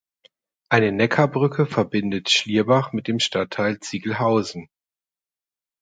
Eine Neckarbrücke verbindet Schlierbach mit dem Stadtteil Ziegelhausen.